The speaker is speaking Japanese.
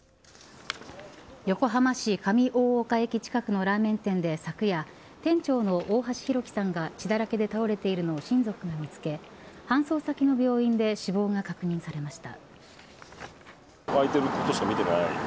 横浜市上大岡駅近くのラーメン店で昨夜店長の大橋弘輝さんが血だらけで倒れているのを親族が見つけ搬送先の病院で死亡が確認されました。